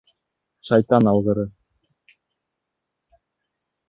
Шайтан алғыры!